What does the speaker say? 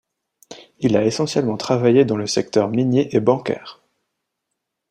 Il a essentiellement travaillé dans le secteur minier et bancaire.